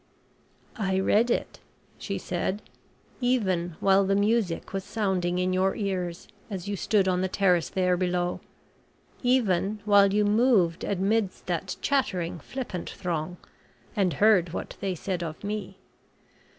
"I read it," she said, "even while the music was sounding in your ears, as you stood on the terrace there below; even while you moved amidst that chattering, flippant throng, and heard what they said of me.